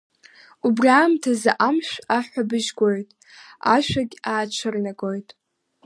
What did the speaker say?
Убри аамҭаз Амшә аҳәҳәабжь гоит, ашәагь аацәырнагоит.